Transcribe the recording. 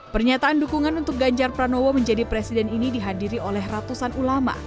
pernyataan dukungan untuk ganjar pranowo menjadi presiden ini dihadiri oleh ratusan ulama